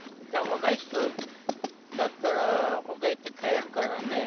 若い人だったら、ほか行って買えるからね。